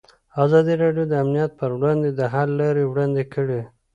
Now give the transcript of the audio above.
ازادي راډیو د امنیت پر وړاندې د حل لارې وړاندې کړي.